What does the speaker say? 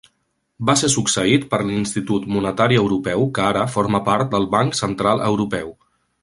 Va ser succeït per l'Institut Monetari Europeu que ara forma part del Banc Central Europeu.